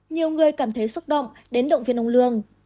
nhiều người cảm thấy xúc động đến động viên ông lương